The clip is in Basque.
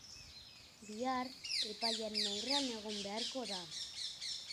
Bihar, epailearen aurrean egon beharko da.